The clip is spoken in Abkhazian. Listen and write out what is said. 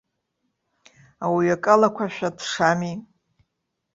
Ауаҩы акалақәашәа дшами.